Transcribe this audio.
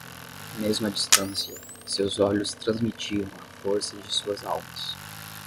Mesmo a distância, seus olhos transmitiam a força de suas almas.